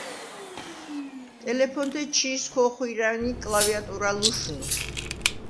ტელეფონთე ჩი̄სქო̄ხუ̂ი̄რა̄̈უ̂ინ კლავიატურა "ლუშნუ".